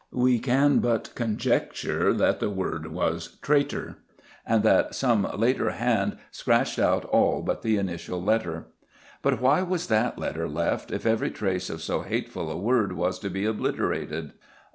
We can but conjecture that the word was "Traitor," and that some later hand scratched out all but the initial letter. But why was that letter left if every trace of so hateful a word was to be obliterated?